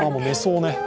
寝そうね。